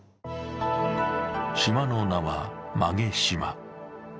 島の名は、馬毛島。